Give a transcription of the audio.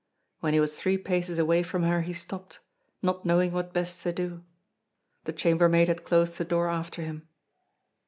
When he was three paces away from her he stopped, not knowing what best to do. The chambermaid had closed the door after him.